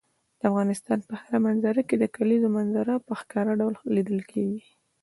د افغانستان په هره منظره کې د کلیزو منظره په ښکاره ډول لیدل کېږي.